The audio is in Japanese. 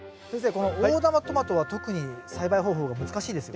この大玉トマトは特に栽培方法が難しいですよね。